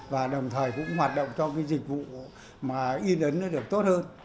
và đồng thời cũng hoạt động cho dịch vụ y nấn được tốt hơn